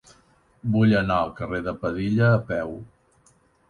Vull anar al carrer de Padilla a peu.